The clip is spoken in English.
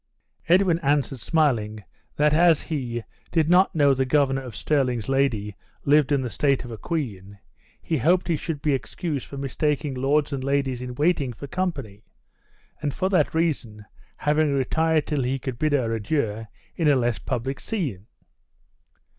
Edwin answered, smiling, that as he "did not know the Governor of Stirling's lady lived in the state of a queen, he hoped he should be excused for mistaking lords and ladies in waiting for company; and for that reason, having retired till he could bid her adieu in a less public scene."